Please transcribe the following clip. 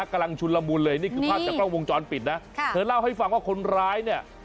กำลังชุนละมุนเลยนี่คือภาพจากกล้องวงจรปิดนะค่ะเธอเล่าให้ฟังว่าคนร้ายเนี่ย